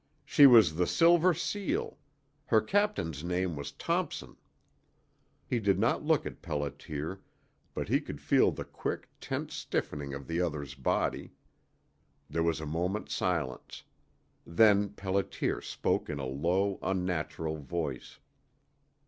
"She was the Silver Seal. Her captain's name was Thompson." He did not look at Pelliter, but he could feel the quick, tense stiffening of the other's body. There was a moment's silence. Then Pelliter spoke in a low, unnatural voice.